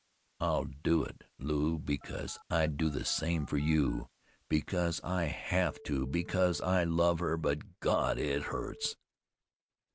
"I'll do it, Lew, because I'd do the same for you; because I have to, because I love her; but God! it hurts."